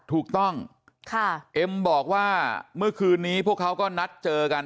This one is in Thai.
ถูกต้องเอ็มบอกว่าเมื่อคืนนี้พวกเขาก็นัดเจอกัน